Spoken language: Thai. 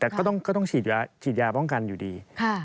แต่ก็ต้องฉีดยาป้องกันอยู่ดี